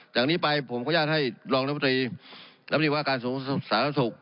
จากนี้ไปผมขออนุญาตให้รองนับประตรีรับนิวาร์การสาวสาวสุข